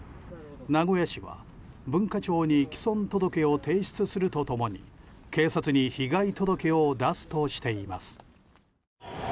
名古屋市は文化庁に毀損届を提出すると共に警察に被害届を出すとしています。